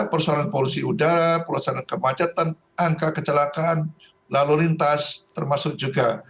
persoalan polusi udara perusahaan kemacetan angka kecelakaan lalu lintas termasuk juga